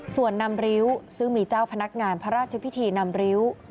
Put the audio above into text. ส่วนนำริ้วซึ่งมีเจ้าพนักงานพระราชพิธีนำริ้ว